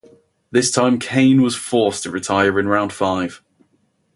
This time Kane was forced to retire in round five.